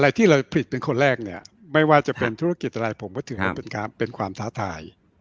ที่เลยผลิตเป็นคนแรกเนี่ยไม่ว่าจะเป็นธุรกิจอะไรผมก็ถือว่าเป็นความท้าทาย